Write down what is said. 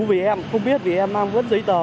vì em không biết vì em mang vớt giấy tờ